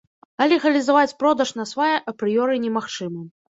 А легалізаваць продаж насвая апрыёры немагчыма.